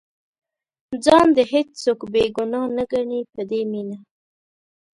ځان دې هېڅوک بې ګناه نه ګڼي په دې مینه.